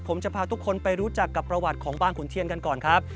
ผมจะพาทุกคนไปรู้จักกับประวัติของบางขุนเทียนกันก่อนครับ